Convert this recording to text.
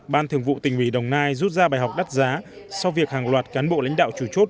ban thường vụ tỉnh ủy đồng nai rút ra bài học đắt giá sau việc hàng loạt cán bộ lãnh đạo chủ chốt